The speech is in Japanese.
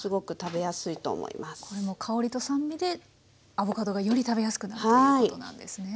これも香りと酸味でアボカドがより食べやすくなるということなんですね